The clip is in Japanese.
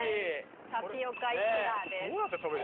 タピオカイクラです。